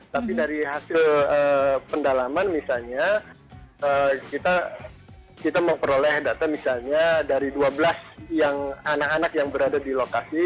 tapi dari hasil pendalaman misalnya kita memperoleh data misalnya dari dua belas anak anak yang berada di lokasi